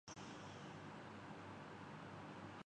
general assembly تمام رکن ممالک پر مشتمل ہوتی ہے